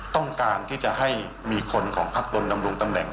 ต้องการที่จะให้มีคนของพักโดนดำรงตำแหน่ง